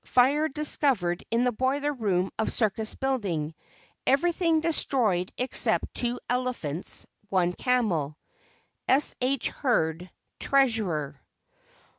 fire discovered in boiler room of circus building; everything destroyed except 2 elephants, 1 camel. S. H. HURD, Treasurer.